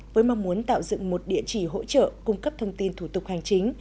với mong muốn tạo dựng một địa chỉ hỗ trợ cung cấp thông tin thủ tục hành chính